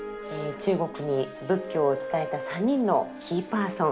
中国に仏教を伝えた３人のキーパーソン。